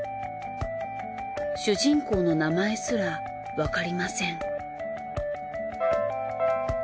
主人公の名前すらわかりません。